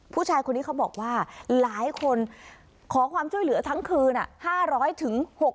ผู้ชายคนนี้เขาบอกว่าหลายคนขอความช่วยเหลือทั้งคืน๕๐๐ถึง๖๐